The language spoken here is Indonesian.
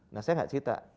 nah saya tidak cerita